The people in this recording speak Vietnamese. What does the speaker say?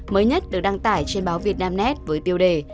mới nhất được đăng tải trên báo việt nam nét với tiêu đề